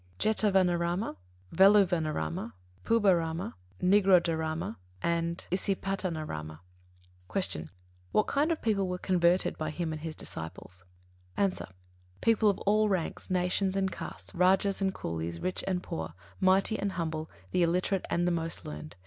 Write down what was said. Jetāvanārāma; Veluvanārāma; Pubbārāma; Nigrodhārāma and Isipatanārāma. 96. Q. What kind of people were converted by him and his disciples? A. People of all ranks, nations and castes; rājas and coolies, rich and poor, mighty and humble, the illiterate and the most learned.